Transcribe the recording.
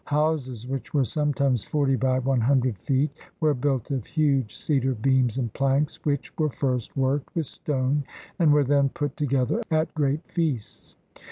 Houses which were sometimes 40 by 100 feet were built of huge cedar beams and planks, which were first worked with stone and were then put together at great feasts.